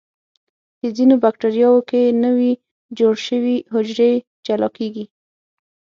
په ځینو بکټریاوو کې نوي جوړ شوي حجرې جلا کیږي.